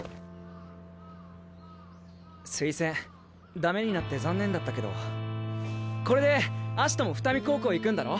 推薦駄目になって残念だったけどこれでアシトも双海高校行くんだろ？